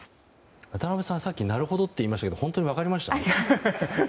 渡辺さん、さっきなるほどって言いましたけど本当に分かりましたか？